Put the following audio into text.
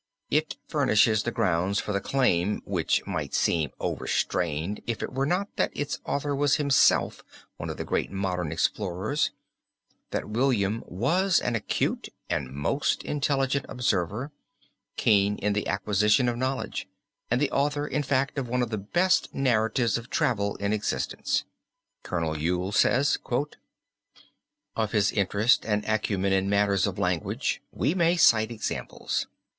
It furnishes the grounds for the claim (which might seem overstrained if it were not that its author was himself one of the greatest of modern explorers) that William was an acute and most intelligent observer, keen in the acquisition of knowledge; and the author in fact of one of the best narratives of travel in existence. Col. Yule says: "Of his interest and acumen in matters of language we may cite examples.